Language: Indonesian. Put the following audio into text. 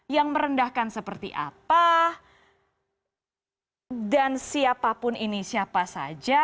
yang merendahkan seperti apa dan siapapun ini siapa saja